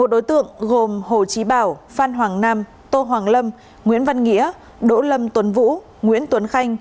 một mươi một đối tượng gồm hồ chí bảo phan hoàng nam tô hoàng lâm nguyễn văn nghĩa đỗ lâm tuấn vũ nguyễn tuấn khanh